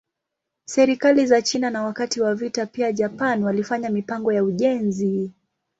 Serikali za China na wakati wa vita pia Japan walifanya mipango ya ujenzi.